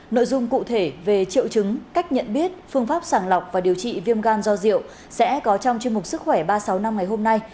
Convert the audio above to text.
nội dung cụ thể về triệu chứng cách nhận biết phương pháp sàng lọc và điều trị viêm gan do rượu sẽ có trong chuyên mục sức khỏe ba trăm sáu mươi năm ngày hôm nay